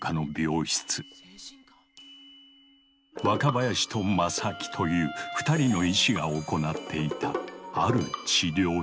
若林と正木という２人の医師が行っていたある治療実験。